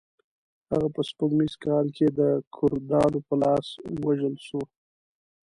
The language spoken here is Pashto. هغه په سپوږمیز کال کې د کردانو په لاس ووژل شو.